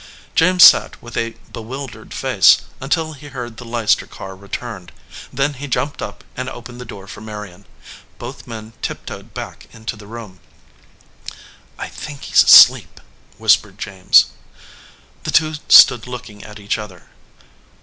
James sat with a bewildered face until he heard the Leicester car return; then he jumped up and opened the door for Marion. Both men tiptoed back into the room. "I think he s asleep," whispered James. The two stood looking at each other.